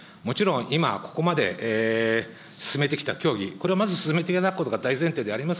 もちろん、今、ここまで進めてきた協議、これをまず進めていただくことが大前提であります